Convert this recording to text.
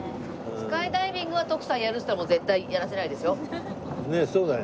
スカイダイビングは徳さんやるって言ったらもう絶対やらせないですよ。